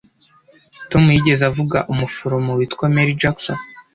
Tom yigeze avuga umuforomo witwa Mary Jackson?